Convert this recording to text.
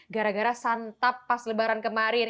gara gara santap pas lebaran kemarin